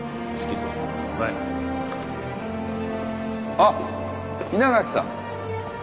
あっ稲垣さん。